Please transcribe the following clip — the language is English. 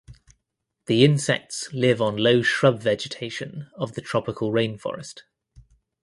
The insects live on low shrub vegetation of the tropical rainforest.